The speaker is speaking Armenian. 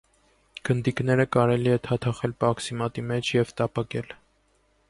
Գնդիկները կարելի է թաթախել պաքսիմատի մեջ և տապակել։